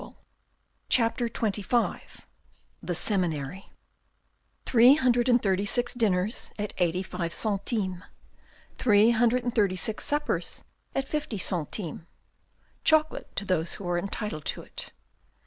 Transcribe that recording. CHAPTER XXV THE SEMINARY Three hundred and thirty six dinners at eighty five centimes. Three hundred and thirty six suppers at fifty centimes. Chocolate to those who are entitled to it.